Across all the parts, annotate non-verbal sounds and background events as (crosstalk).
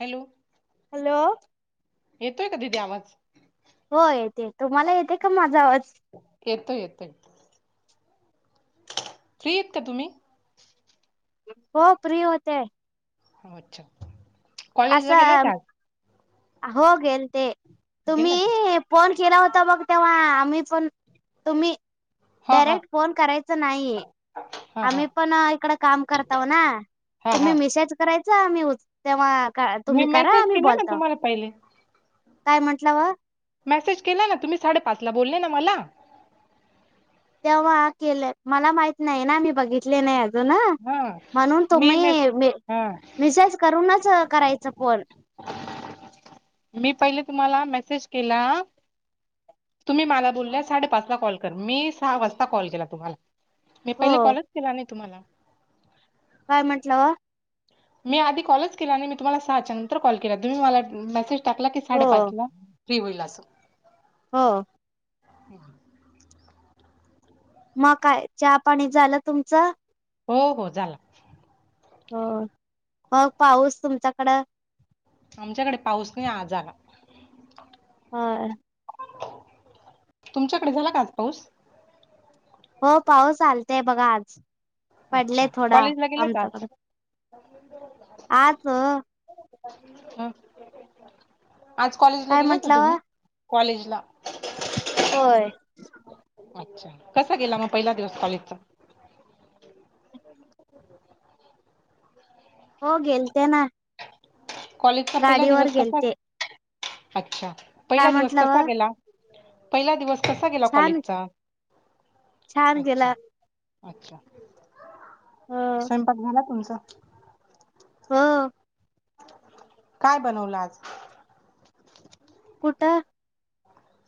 Hello! Hello! येतोय का दिदी आवाज? होय ते येते तुम्हाला येते का माझा आवाज? येतो येतोय. फ्री आहेत का तुम्ही? हो फ्री होते. हो अच्छा! कॉलेजला गेला असं होता हो गेलते आज गेला होता तुम्ही? फोन केला होता बघ तेव्हा आम्ही पण तुम्ही. हा हा डायरेक्ट फोन करायच नाहीे. हा हा आम्ही पण इकड काम करताव ना हा तुम्ही हा मिसेज करायच मी तेव्हा मी तुम्ही करा मेसेज आम्ही केला ना बोलताव तुम्हाला पहिले काय म्हटलंव. मेसेज केला ना तुम्ही साडेपाच ला बोलले ना मला. तेव्हा केलं मला माहित नाही ना मी बघितले नाही. ना हा म्हणून मी मेस तुम्ही हा मिसेज करूनच करायच फोन. मी पहिले तुम्हाला मेसेज केला. तुम्ही मला बोल्या साडेपाच ला कॉल कर मी सहा वाजता कॉल केला तुम्हाला? मी पहिले हो कॉलच केला नाही तुम्हाला? काय म्हटलावं मी आधी कॉलच केला आणि मी तुम्हाला सहाच्या नंतर कॉल केला तुम्ही मला मेसेज टाकला की हो साडेपाचला. फ्री होईल अस. हो. ह मग काय चहा पाणी झालं तुमचं? हो हो झालं. हो मग पाऊस तुमच्याकडं? आमच्याकडे पाऊस नाही आज आला. हा. तुमच्याकडे झाला का आज पाऊस? हो पाऊस आलतय बघा आज. पडलय अच्छा थोडा कॉलेजला गेला का आज आमच्याकड. आज कॉलेजला काय गेलात म्हंटलं व तुम्ही? कॉलेजला. होय. अच्छा! कसा गेला मग पहिला दिवस कॉलेजचा. हो गेलते ना. कॉलेजचा पहिला गाडीवर दिवस कसा गेलते अच्छा! काय पहिला दिवस म्हंटलं कसा व गेला. पहिला दिवस कसा गेला छान कॉलेजचा छान अच्छा! गेला अच्छा! हो स्वयंपाक झाला तुमचा? हो. काय बनवलं आज. कुठ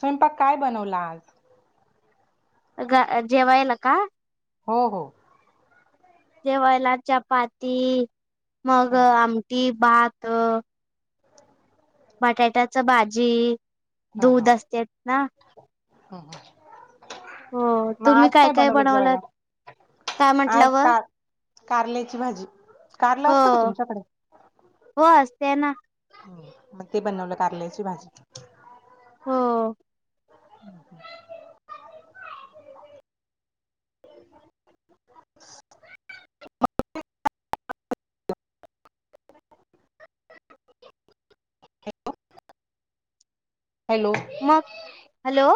स्वयंपाक काय बनवला आज? ग जेवायला का हो हो. जेवायला चपाती मग हां आमटी भात बटाट्याच भाजी. हा हा दूध असते ना हा. हो. मग आज काय बनवलं जेवायला? काय आज म्हंटलं व का कारल्याची भाजी. कारल हो असतं का तुमच्याकडे? हो असते ना हो. मग ते बनवलं कारल्याची भाजी. हो. (inaudible) (inaudible) हॅलो! मग हॅलो!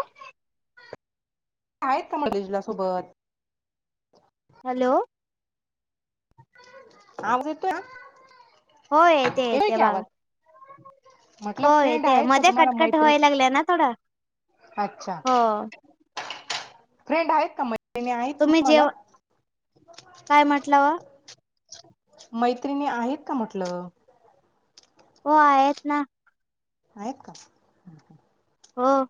आहेत का (unintelligible) सोबत हॅलो! आवाज येतोय ना, हो येते येतोय येते की बाबा आवाज म्हटलं फ्रेंड आहेत का तुम्हाला मैत्री लागलय ना थोड अच्छा, फ्रेंड आहेत का म त्रिणी आहेत तुम्ही तुम्हाला जेव काय म्हटलं व मैत्रिणी आहेत का म्हटल हो आहेत ना आहेत का हो.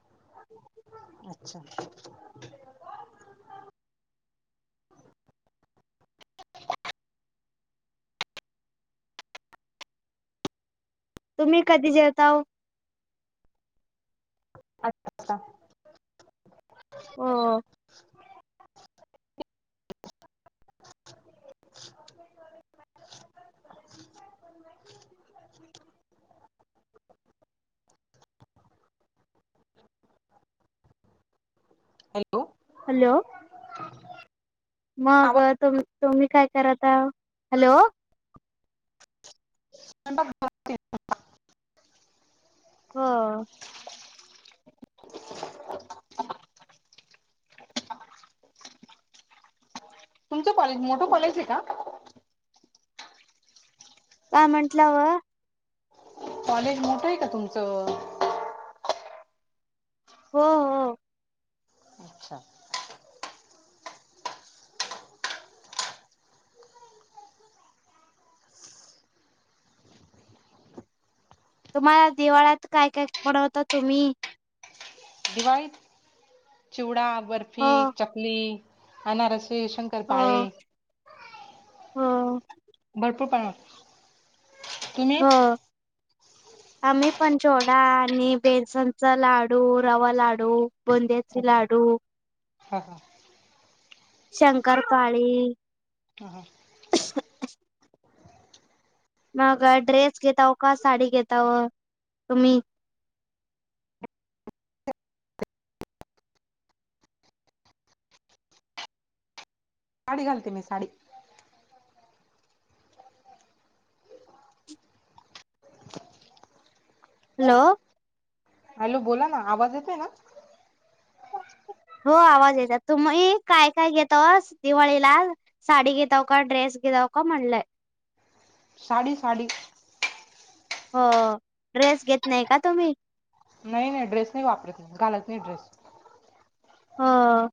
अच्छा तुम्ही कधी जेवताव? आत्ता ओ हॅलो! हॅलो मग आवाज तुम तुम्ही काय कराता हॅलो (inaudible) हो. तुमचं कॉलेज मोठं कॉलेज आहे का? काय म्हटलव कॉलेज मोठंय का तुमचं? हो हो. अच्छा तुम्हाला दिवाळ्यात काय काय बनवता तुम्ही दिवाळीत चिवडा, बर्फी, हो चकली, अनारसे, शंकर हो पाळे हो. भरपूर बनवतो. तुम्ही? आम्हीं पण चोवडा आणि बेसनचा लाडू, रवा लाडू. बुंदयाचे लाडू. हा, हा. शंकरपाळी. ह, हा. मग ड्रेस घेताव का साडी घेताव तुम्हीं? साडी घालते, मी साडी. हॅलो. हॅलो बोला ना, आवाज येतोय ना? हो आवाज येत्यात, तुम्हीं काय -काय घेतोस दिवाळीला? साडी घेताव का, ड्रेस घेताव का म्हणलंय. साडी, साडी. हो, ड्रेस घेत नाही का तुम्हीं? नाही -नाही ड्रेस नाई वापरत, घालत नाही ड्रेस. हो.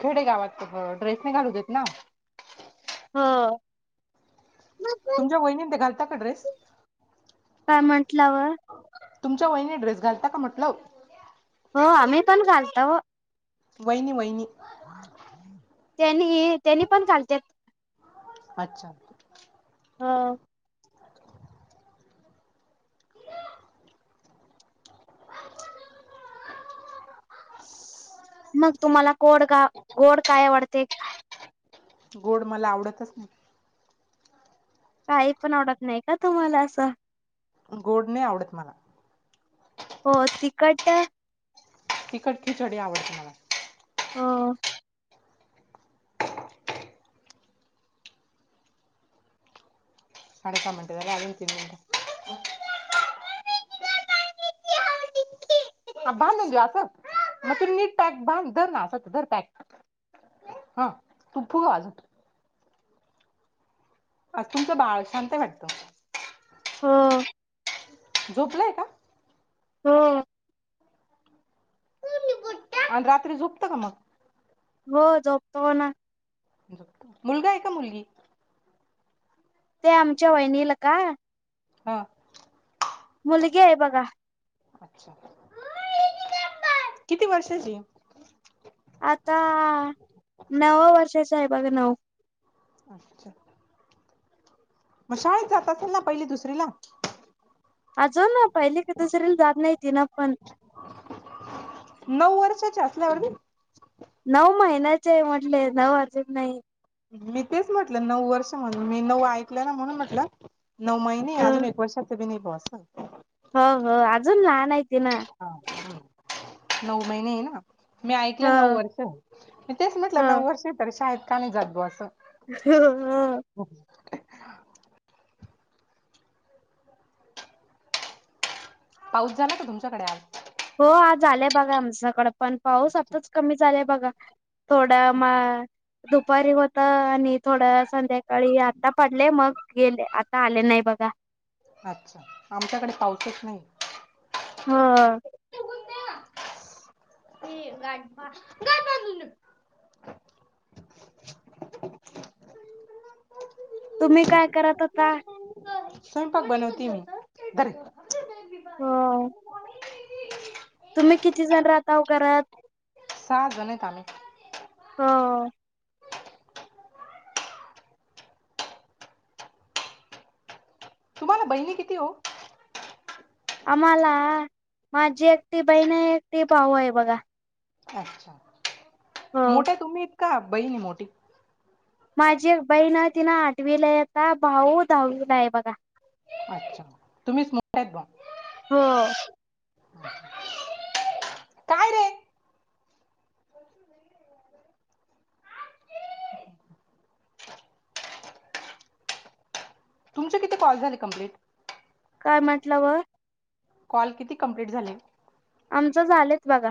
खेडे गावात ड्रेस नाही घालू देत ना. हो... तुमच्या वहिणीनं ते घालता का ड्रेस? काय म्हंटला व? तुमच्या वहिनी ड्रेस घालता का म्हटलं? हो आम्हीं पण घालताव. वैनी-वैनी त्यंनी, त्यंनी पण घालत्यात. अच्छा! हो.. मग तुम्हांला कोड गाव गोड काय आवडते? गोड मला आवडतच नाही. काही पण आवडत नाही का तुम्हांला असं. गोड नाही आवडंत मला. हो तिखट. तिखट खिचडी आवडते मला. हो. काड का म्हणटला अून तिनट बांध दे ना ते असं, मग तु नीट पॅक बांध धर, नार पॅक. हा तू फूगव आजून. आज तुमचं बाळ शांत आहे वाटतं? हो.. झोपलंय का? हो... अन् रात्री झोपतं का मग? हो झोपतो ना. मुलगा आहे का मुलगी? ते आमच्या वहिनीला का? हो.. मुलगी आहे बघा. अच्छा! किती वर्षाची ये? आता नवं वर्षाची आहे, बघा नऊ. अच्छा! मग शाळेत जात असेल ना पहिली, दुसरी ला? आजून पहिली ते दुसरी जात नाही ती ना पण नऊ वर्षाची असल्या वर बी? नऊ महिन्याचे हे म्हटले, नऊ वर्षाची नाही. मी तेच म्हटलं नऊ वर्ष म्हणून मी नऊ ऐकलं ना, म्हणून म्हटलं. नऊ महिने, हो अजून एक वर्षाचं बी नई बॉ असं. हो-हो, अजून लहान आहे ती ना. (unintelligible) नऊ महिने हे ना. मी हो ऐकलं नऊ वर्ष म तेच म्हटलं, हो नऊ वर्ष तरी शाळेत का नाही जात बॉ असं. (unintelligible) मोगलं पाऊस झाला का तुमच्याकडे आज? हो झालंय बघा आमच्याकडं पण पाऊस आताच कमी झालाय बघा. थोडा म दुपारी होतं आणि थोडं संध्याकाळी आता पडले मग गेले, आता आले नाही बघा. अच्छा! आमच्याकडे पाऊसच नये. हं. ती गाठ बांध, गाठ बांधून दे. (inaudible) (unintelligible) तुम्ही काय करत होता? स्वयंपाक बनवती मी. धररे. हं. तुम्ही किती जण राहता वो घरात? सहा जणतं आम्ही. हं. तुम्हाला बहिणी किती ओ? आम्हाला, माझी एकटी बहीण आहे, एकटी भाऊ आहे बघा. अच्छा, हो मोठ्या तुम्ही हेत का, बहिण हे मोठी? माझी एक बईन तिनं आठवीला ये आता, भाऊ दहावीला हे बघा. अच्छा, तुम्हीच मोठ्यातं बॉ. हो. काय रे कती कॉल झाली कंप्लिट? काय म्हटलं वं? कॉल किती कंप्लीट झाली? आमचं झालंत बघा.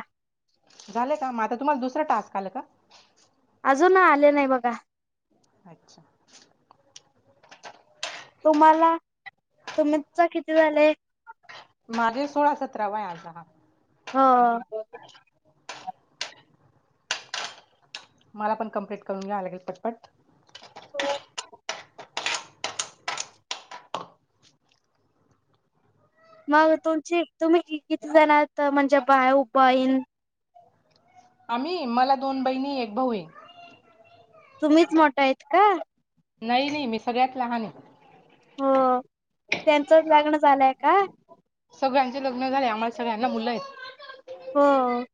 झालंय का, म आता तुम्हाला दुसरं टास्क आलं का? अजून आले नाही बघा. अच्छा. तुम्हाला, तुमितचं किती झालंय? माझे सोळा- सतरावा हे आज हा. हं. मला पण कंप्लेंट करून घ्यावं लागेल पटपट. मग तुमची तुम्ही कि- किती जण आहेत? म्हणजे बाय उपाईन आम्ही मला दोन बहिणी एक भाऊ आहे. तुम्हीच मोठा आहेत का? नाही नाही मी सगळ्यात लहान आहे. हो त्यांचंच लग्न झालंय का? सगळ्यांचे लग्न झाले, आम्हाला सगळ्यांना मुलं आहेत.. हो..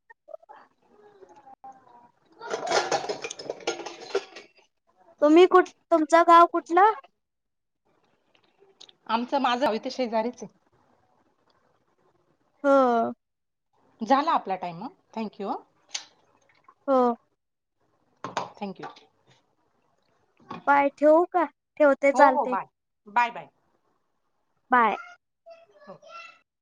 तुम्ही कुठ? तुमचं गाव कुठलं? आमचं माझा इथ शेजारीच आहे. हो.. झाला आपला टाईम आप थँक्यू हा.. हो.. थँक्यू.. बाय ठेवू का? ठेवते हो हो चालते.. बाय बाय बाय.. बाय.. हो..